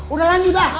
udah lanjut lah